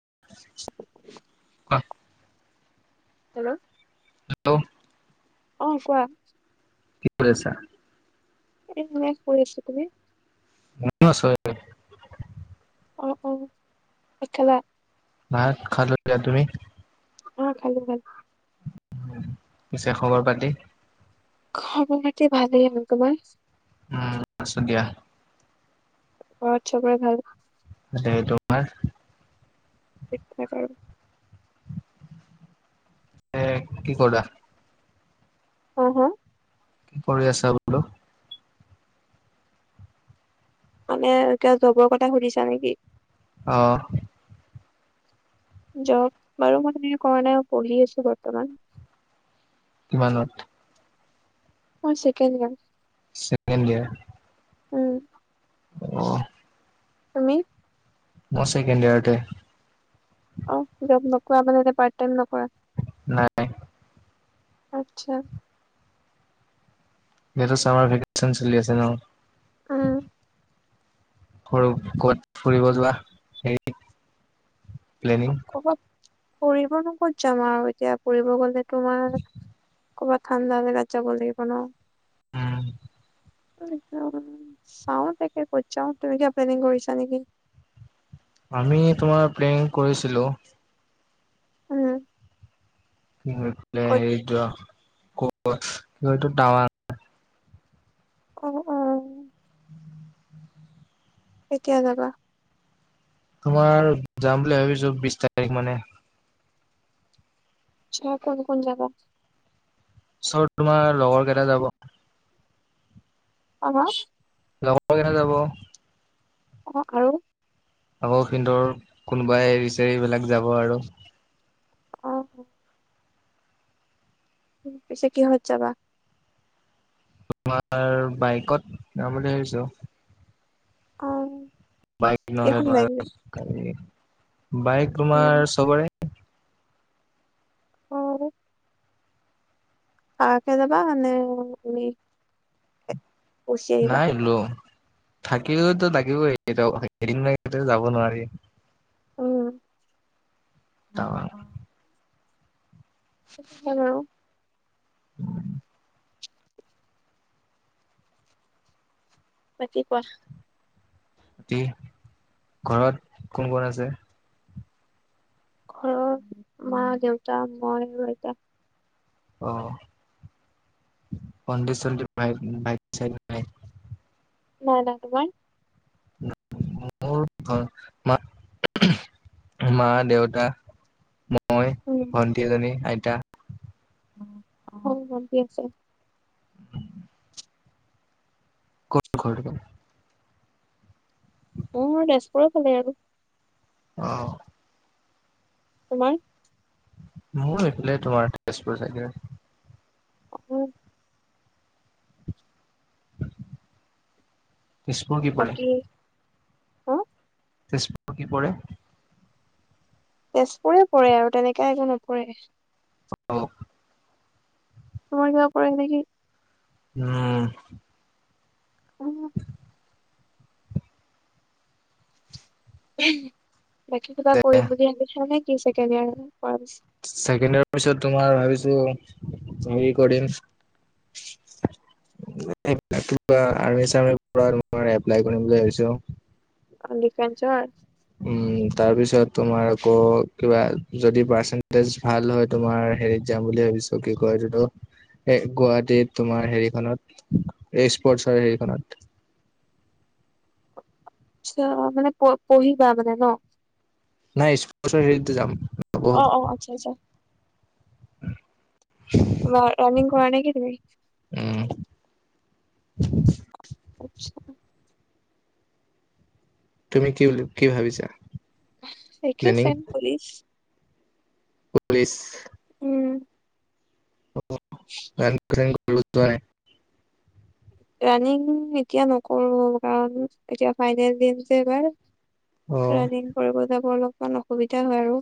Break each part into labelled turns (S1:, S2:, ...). S1: [unintelligible]
S2: Hello!
S1: Hello!
S2: অ কোৱা?
S1: কি কৰি আছা?
S2: এনে শুই আছো। তুমি?
S1: মইও আছো - এনে।
S2: অ অ ভাত খালা?
S1: ভাত খালো দিয়া। তুমি?
S2: অ খালো খালো।
S1: পিছে খবৰ পাতি?
S2: খবৰ-পাতি ভালে আৰু। তোমাৰ?
S1: উম' আছো দিয়া।
S2: ঘৰত চবৰে ভাল?
S1: [unintelligible] তোমাৰ
S2: [unintelligible]
S1: এ কি কৰা?
S2: হা? হা?
S1: কি কৰিঢ আছা বোলো?
S2: মানে কিয় জবৰ কথা সুধিছা নেকি?
S1: অ',।
S2: জব বাৰু মই এনে কৰা নাই, পঢ়ি আছো বৰ্তমান।
S1: মানত
S2: মই চেকেণ্ড ইয়াৰ।
S1: Second year.
S2: উম'।
S1: অ',।
S2: তুমি?
S1: মই চেকেণ্ড ইয়াৰতে।
S2: অ' [unintelligible] পাৰ্ট টাই নকৰা?
S1: নাই।
S2: আচ্ছা।
S1: এতিয়াতো ভেকচন চলি আছে ন।
S2: উম।
S1: [unintelligible] কত- ফুৰিব যোৱা হেৰি প্লেনিং
S2: ফুৰিব নো কত যাম আৰু এতিয়া ফুৰিব গ'লে তোমাৰ ক'বাত ঠাণ্ডা জাগাত যাব লাগিৱ ন।
S1: উম।
S2: একম চাও তাকে ক যাও তুমি কিয় প্লেনিং কৰিছা নেকি?
S1: আমি তোমাৰ প্লেং কৰিছিলো।
S2: উম।
S1: কি কৰি পলে
S2: ক'ত
S1: হেৰি যোৱা ক, কিটো টাৱাং।
S2: অ', অ',। কেতিয়া যাবা?
S1: তোমাৰ যাম বুলি ভাবিছো বিশ তাৰিখ মানে।
S2: [unintelligible]
S1: চৰ তোমাৰ লগৰ কেইটা যাব।
S2: [unintelligible]
S1: লগৰকৈটা যাৱ।
S2: অ, আৰু?
S1: আকৌ সিন্দৰ কোনোবাই এৰিচৰিবিলাক যাব আৰু।
S2: আহ। পছে কি হত যবা?
S1: তোমাৰ বাইকত যাম বুলি ভাবিছো।
S2: আহ।
S1: বাইক নহলে তোমাৰ বাইক তোমাৰ
S2: অ
S1: চবৰে
S2: [unintelligible] থাকে যাবা নে। গুচি আহিবা?
S1: নাই, লো। থাকিলওতো লাগিবই এদিন যাব নোৱাৰি।
S2: উম।
S1: তাৰাৰ [inaudible]
S2: আহম [inaudible] পতি [inaudible] কোৱা।
S1: ঘৰত কোন, কোন আছে।
S2: ঘৰত মা, দেউতা মই আৰু এতিয়া
S1: অ, স, চাই, চাই [inaudible]
S2: ন, নাগৱ [inaudible]
S1: মোৰ ঘ ম [inaudible] মা, দেউতা, মই, ভন্টি এজনী, আইতা
S2: হৰু ভানটি আছে।
S1: ক, খ [inaudible]
S2: মোৰ তেজপুৰৰ ফালে আৰু।
S1: আহ।
S2: তোমাৰ?
S1: মোৰ এইফালে তোমাৰ তেজপুৰ চাইদে।
S2: আহ।
S1: নিছপুৰ কি প [inaudible]
S2: হ
S1: তেজপুৰ কি পৰে?
S2: তেজপুৰে পৰে আৰু তেনেকে একো নপৰে।
S1: অ'।
S2: তমাৰ কিবা, প, কি, নকি [inaudible]
S1: উম।
S2: উ। বাকী কিবা কৰিম বুলি ভাবিছা নে কি চাগেিয় [inaudible] আৰু
S1: ছেকেণ্ড ইয়াৰ পিছত তোমাৰ ভাবিছো টো হেৰি কৰিম আৰ্মি চাৰ্মি এপলাই কৰিম বুলি ভাবিছো।
S2: অ', ডিফেন্সত?
S1: উম, তাৰপিছত তুমাৰ আকৌ কিবা যদি পাৰ্চেন্টেজ ভাল হয় তোমাৰ হেৰিত যাম বুলি ভাবিছো কি কয় এইটো এ গুৱাহাটীত তোমাৰ হেৰিখনত স্পৰ্টচৰ হেৰিখনত [inaudible]
S2: আচ্ছা মানে পঢ়িবা মানে ন?
S1: নাই স্পৰ্শৰ হেৰিটোত যাম
S2: অ অ আচ্ছা আচ্ছা। ৰানিং কৰা নে কি তুমি?
S1: উম
S2: আচ্ছা।
S1: তুমি কি বুলি কি ভাবিছা?
S2: একে ছেম পুলিচ
S1: পুলিচ
S2: উম
S1: ৰানিং চানিং কৰিব যোৱা নে?
S2: ৰানিং এতিয়া নকৰো কাৰণ এতিয়া ফাইনেল দিম যে এইবাৰ।
S1: অ
S2: ৰাণিং কৰিব যাব অলপমান অসুবিধা হয় আৰু।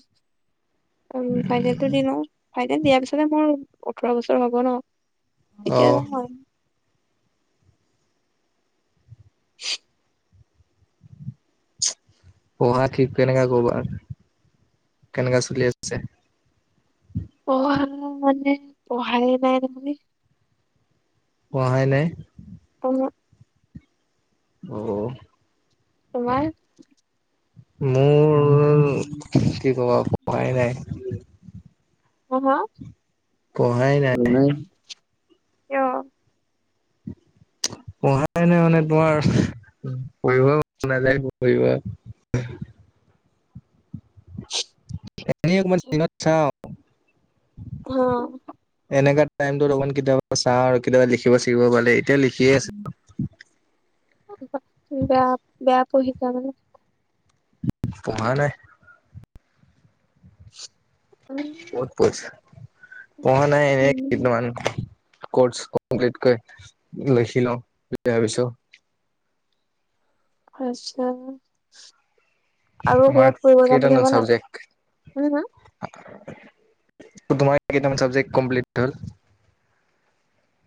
S2: আৰু ফাইনেলটো দি লো, ফাইনেল দিয়াৰ পিছতে মোৰ ওঠৰ বছৰ হ'ব ন।
S1: অ
S2: এতিয়া নহয়। [inaudible]
S1: পঢ়া ঠিক কেনেকা কবা কেনেকা চলি আছে?
S2: পঢ়া মানে পঢ়ায়ে নাই তাৰ মানে।
S1: পঢ়ায়ে নাই?
S2: উমহুম,
S1: অ',
S2: তোমাৰ
S1: মোৰ
S2: উম,
S1: কি ক'বা পঢ়াই নাই
S2: অ, হ,
S1: পঢ়াই নাই
S2: কিয়?
S1: পঢ়াই নাই মানে তোমাৰ পঢ়িব নাযায় পঢ়িব [inaudible] এনেই অকমান দিনত চাওঁ।
S2: অ',
S1: এনেকা টাইমটোত অকমান কেতিয়াবা চাওঁ আৰু কেতিয়াবা লিখিব শিকিব পালে এতিয়া লিখিয়ে আছো।
S2: বেয়া বেয়া পঢ়িছা মানে।
S1: পঢ়া নাই প'ত প'ত পঢ়া নাই এনেই
S2: উম
S1: কেইদিনমান কৰ্চ কমপ্লটকৈ লৈছিলোঁ [unintelligible] বুলি ভাবিছো। [inaudible]
S2: আচ্ছা। আৰু
S1: তোমাৰ
S2: কৰবাত ফুৰিব যাম বুলি
S1: কেইটামান
S2: ভাবা নাই
S1: চাবজেক্ট
S2: উম, হুম,
S1: তোমাৰ [unintelligible] চাব্জেকট কম্প্লিট হ'ল?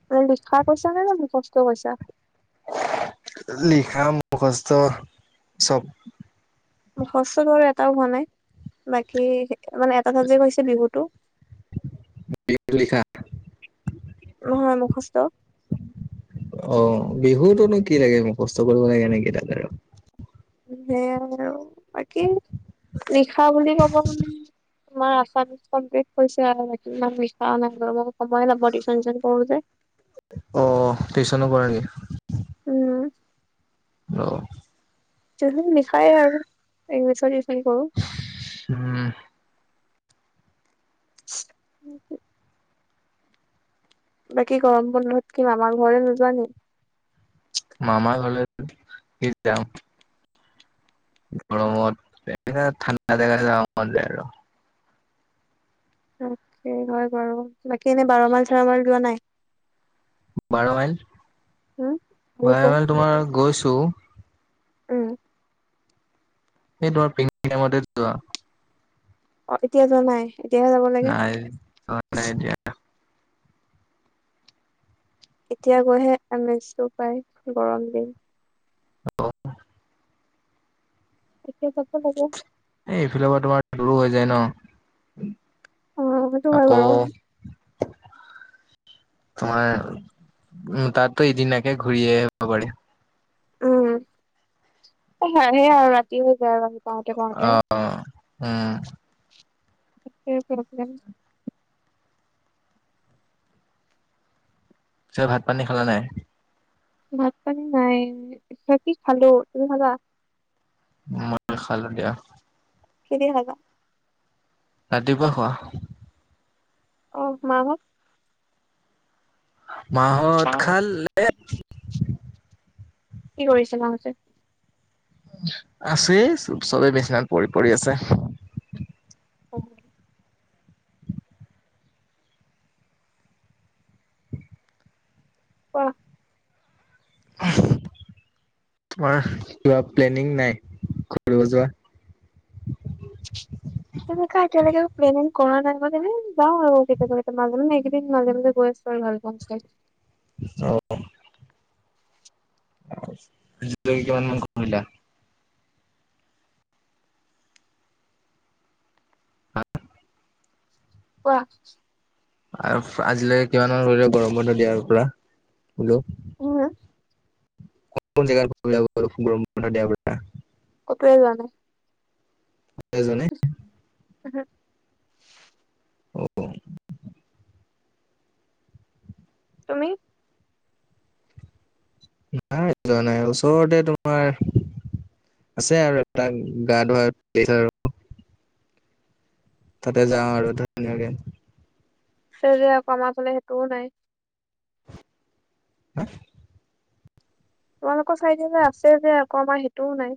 S2: মানে লিখা কৰিছা নে মুখস্থ কৰিছা?
S1: লিখা মুখস্থ চব।
S2: মুখস্থ বাৰু এটাও হোৱা নাই বাকী মানে এটা চাব্জেকট হৈছে বিহুটো।
S1: লিখা।
S2: হয় মুখস্থ
S1: বিহুটোনো কি লাগে মুখস্থ কৰিব কাৰণে একেডাল আৰু।
S2: সেয়াই আৰু বাকী ৰিখা বুলি ক'ব মানে। তোমাৰ আামি কমপ্লিট কৰিছে নি, ন, সময়ে টিউচন চন কৰো যে।
S1: অ, টিউচনো কৰা নকি।
S2: উম, জহ লিখায় আৰুছ।
S1: উম।
S2: [inaudible] বাকী গৰম বন্ধত কি আমাৰ ঘৰে নোযোৱানে?
S1: মামা ঘলে স, যাম। গৰমত এ, ঠাণ্ডা জেগা য, মন যায় আৰু।
S2: তাকে হয় বাৰু। বাকী এনে বাৰ মাল, চাৰ মাল, লোৱা নাই।
S1: বাৰ মাইল,
S2: উম,
S1: বাৰ
S2: ভালুকপুং
S1: মাইল তোমাৰ গৈছো।
S2: উম।
S1: এই তোমাৰ পিমতে যোৱা।
S2: অ, এতিয়া যোৱা নাই। এতিয়াহে যাব লাগে
S1: নাই, নাই, এতিয়া
S2: এতিয়া গৈহে, এমেজটো পায় গৰম দিন।
S1: অ'।
S2: এতিয়া চাব লাগে।
S1: এ, এইফালে পৰা তোমাৰ দূৰো হৈ যায় ন।
S2: অটো ভাল
S1: আকৌ
S2: বাৰ
S1: [inaudible] তোমাৰ উ, তাতাতো এইদিন আকে ঘূৰি আহিব পাৰি।
S2: উম, সেয়া আৰু ৰাতি হৈ যায়। পাওঁতে পাওঁতে
S1: অ', অ', উম।
S2: সেতোয়ে প্ৰব্লেম।
S1: চে, ভাত, পানী খালা নাই।
S2: ভাত পানী নাই [unintelligible] খালো তুমি খালা?
S1: মই খালো দিয়া।
S2: কিহে খালা?
S1: ৰাতিপুৱা খোৱা।
S2: অ, মা, হঁত
S1: মা হঁত খা লে।
S2: কি কৰিছে মাহতে।
S1: আছেই চবেই, বিচনাত পৰি, পৰি আছে।
S2: অ'। কোৱা?
S1: [inaudible] তোমাৰ কিবা প্লেনিং নাই কৰোবাত ফুৰিব যোৱা। [inaudible]
S2: তেনেকা এতিয়ালৈকে প্লেনিং কৰা নাই মনে যাওঁ আৰু এইকেদিন মাজে, মাজে একদিন মাজে মাজে গৈ আছো আৰু ভাল পা, চ
S1: অ', অ'। [unintelligible]
S2: কোৱা?
S1: আৰু আজিলৈকে কিমানৰ কৰিলে গৰম বন্ধ দিয়া পুৰা বোলো।
S2: উম।
S1: [unintelligible]
S2: কটোৱে যোৱা নাই।
S1: পৰা যোৱা নাই
S2: [unintelligible]
S1: অ', অ'।
S2: তুমি?
S1: নাই যোৱা নাই ওচৰতে তোমাৰ আছে আৰু এটা গা ধোৱা [unintelligible] তাতে
S2: বা
S1: যাওঁ আৰু ধুনীয়াকে।
S2: যে আকৌ আমাৰ ফালে সেইটোও নাই।
S1: [unintelligible]
S2: তোমালোকৰ চাই দিয়া যে আছে যে, আকৌ আমাৰ সেইটোও নাই।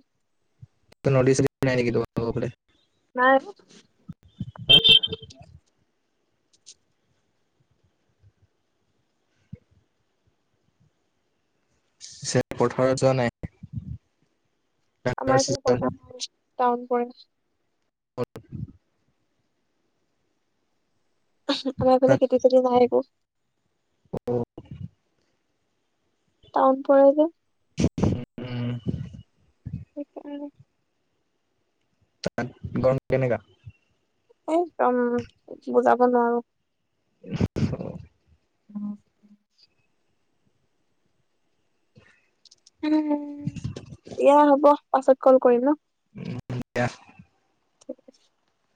S1: নদী ছ- দি নাই নেকি
S2: নাই
S1: হা চে- পথাৰত যোৱা নাই। ধানৰ
S2: আমাৰ
S1: চিজন
S2: এই-টাউন প
S1: [unintelligible]
S2: আমাৰ ফালে খেতি-চেতি নাই একো।
S1: [unintelligible]
S2: টাউন পৰে যে।
S1: উম।
S2: [unintelligible]
S1: গৰম- কেনেকা?
S2: এইদম বুজাব নোৱাৰো।
S1: [inaudible]
S2: [inaudible] দিয়া হ'ব পাছত কল কৰিম ন।
S1: উ- দি।
S2: [inaudible]